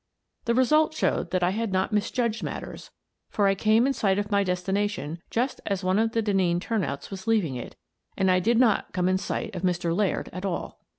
The result showed that I had not misjudged matters, for I came in sight of my destination just as one of the Denneen turnouts was leaving it, and I did not come in sight of Mr. Laird at all.